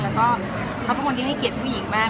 และเค้าเป็นคนให้เกลียดผู้หญิงมาก